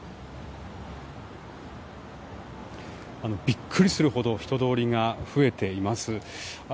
ビックリするほど人通りが増えています。